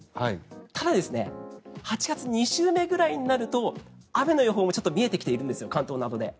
ただ、８月２週目ぐらいになると雨の予報も見えてきているんです関東などで。